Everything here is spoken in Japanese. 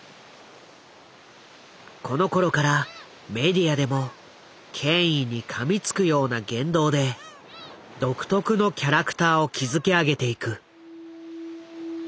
このころからメディアでも権威にかみつくような言動で独特のキャラクターを築き上げていく。